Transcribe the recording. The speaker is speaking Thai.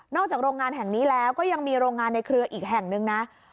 อกจากโรงงานแห่งนี้แล้วก็ยังมีโรงงานในเครืออีกแห่งนึงนะ